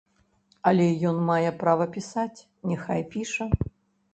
Але ён мае права пісаць, няхай піша.